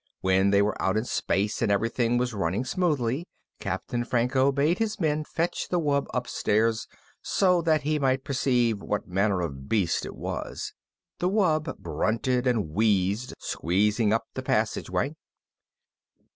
When they were out in space and everything was running smoothly, Captain Franco bade his men fetch the wub upstairs so that he might perceive what manner of beast it was. The wub grunted and wheezed, squeezing up the passageway.